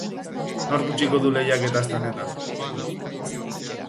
Nork utziko du lehiaketa aste honetan?